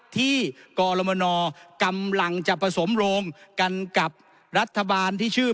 กรมนกำลังจะผสมโรงกันกับรัฐบาลที่ชื่อ